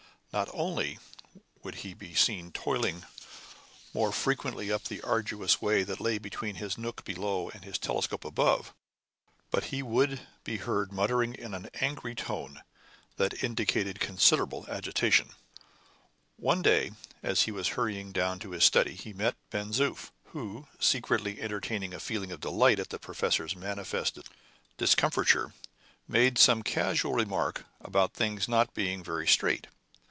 Not only would he be seen toiling more frequently up the arduous way that lay between his nook below and his telescope above, but he would be heard muttering in an angry tone that indicated considerable agitation. One day, as he was hurrying down to his study, he met Ben Zoof, who, secretly entertaining a feeling of delight at the professor's manifest discomfiture, made some casual remark about things not being very straight.